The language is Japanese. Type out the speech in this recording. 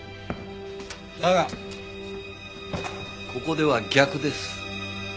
だがここでは逆です。